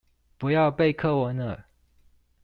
不要背課文了